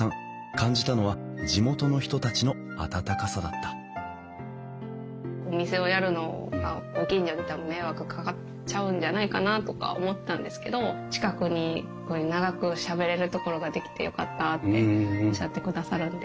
感じたのは地元の人たちの温かさだったお店をやるのはご近所に多分迷惑かかっちゃうんじゃないかなとか思ってたんですけど近くに長くしゃべれる所が出来てよかったっておっしゃってくださるんで。